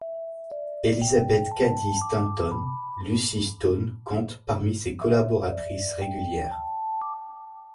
Elisabeth Cady Stanton, Lucy Stone comptent parmi ses collaboratrices régulières.